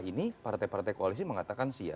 ini partai partai koalisi mengatakan siap